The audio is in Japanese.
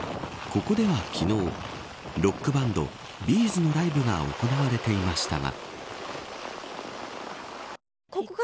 ここでは昨日ロックバンドＢ’ｚのライブが行われていましたが。